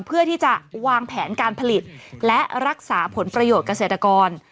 เพื่อที่จะวางแผนการผลิตและรักษาผลประโยชน์เกษตรกร